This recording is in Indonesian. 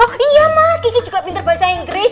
oh iya mas kiki juga pinter bahasa inggris